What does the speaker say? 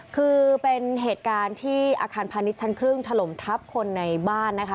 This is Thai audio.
คือเป็นเหตุการณ์ที่อาคารพาณิชยชั้นครึ่งถล่มทับคนในบ้านนะคะ